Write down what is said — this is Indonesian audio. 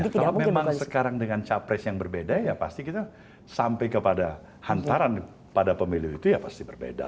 kalau memang sekarang dengan capres yang berbeda ya pasti kita sampai kepada hantaran pada pemilu itu ya pasti berbeda